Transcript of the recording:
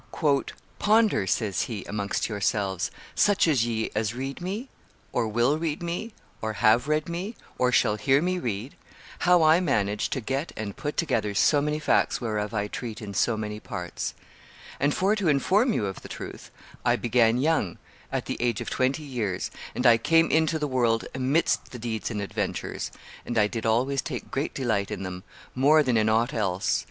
"Ponder," says he, "amongst yourselves, such of ye as read me, or will read me, or have read me, or shall hear me read, how I managed to get and put together so many facts whereof I treat in so many parts. And, for to inform you of the truth, I began young, at the age of twenty years, and I came into the world amidst the deeds and adventures, and I did always take great delight in them, more than in aught else.